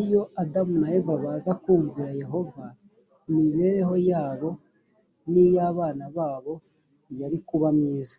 iyo adamu na eva baza kumvira yehova imibereho yabo n’ iy abana babo yari kuba myiza